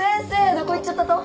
どこ行っちょったと？